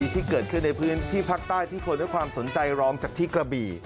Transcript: ที่เกิดขึ้นในพื้นที่ภาคใต้ที่คนให้ความสนใจรองจากที่กระบี่